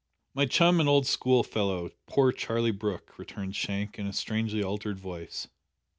"My chum and old school fellow, poor Charlie Brooke," returned Shank, in a strangely altered voice.